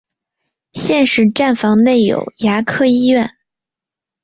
现时站房内有牙科医院。